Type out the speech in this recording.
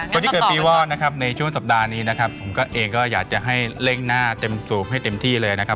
คนที่เกิดปีวอดนะครับในช่วงสัปดาห์นี้นะครับผมก็เองก็อยากจะให้เร่งหน้าเต็มสูบให้เต็มที่เลยนะครับ